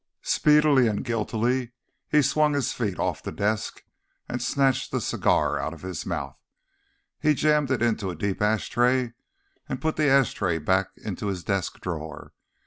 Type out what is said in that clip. Speedily and guiltily, he swung his feet off the desk and snatched the cigar out of his mouth. He jammed it into a deep ashtray and put the ashtray back into his desk drawer.